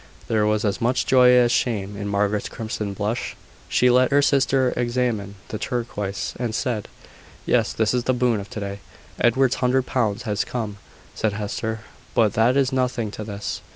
There was as much joy as shame in Margaret's crimson blush. She let her sister examine the turquoise, and said: "Yes, this is the boon of to day." "Edward's hundred pounds has come," said Hester: "but that is nothing to this."